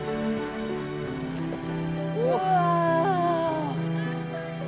うわ！